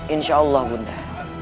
insya allah bunda